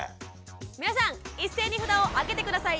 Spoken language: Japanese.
皆さん一斉に札をあげて下さい。